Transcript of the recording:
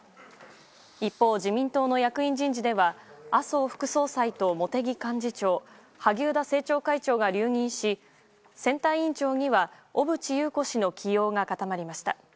一方、自民党の役員人事では麻生副総裁と茂木幹事長、萩生田政調会長が留任し、選対委員長には小渕優子氏の起用が固まりました。